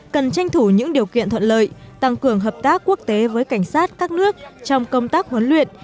cần tranh thủ những điều kiện thuận lợi tăng cường hợp tác quốc tế với cảnh sát các nước trong công tác huấn luyện